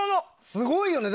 すごいよね。